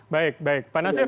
baik baik pak nasir